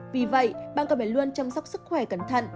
vì vậy bạn còn phải luôn chăm sóc sức khỏe cẩn thận